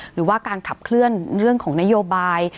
หรือว่าการขับเคลื่อนเรื่องของนโยบาย